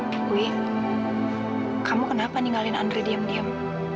akui kamu kenapa ninggalin andre diam diam